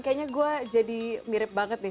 kayaknya gue jadi mirip banget nih